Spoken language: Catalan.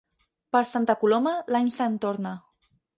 Per Santa Coloma, l'any se'n torna.